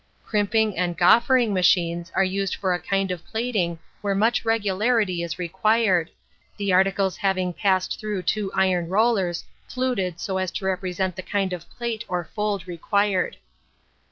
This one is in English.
Crimping and gauffering machines are used for a kind of plaiting where much regularity is required, the articles being passed through two iron rollers fluted so as to represent the kind of plait or fold required.